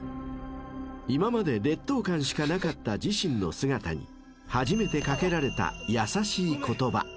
［今まで劣等感しかなかった自身の姿に初めて掛けられた優しい言葉］